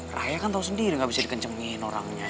raya kan tau sendiri nggak bisa dikencengin orangnya